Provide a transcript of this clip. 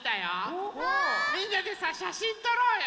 みんなでさしゃしんとろうよ。